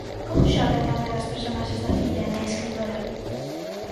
Como xorden tamén as personaxes da filla e a nai escritora?